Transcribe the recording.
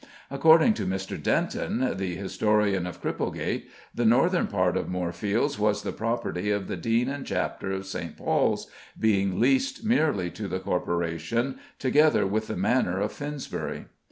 According to Mr. Denton, the historian of Cripplegate, the northern part of Moorfields was the property of the Dean and Chapter of St. Paul's being leased merely to the Corporation, together with the Manor of Finsbury.